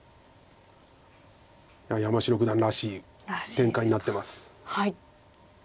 山城九段らしい展開になってます。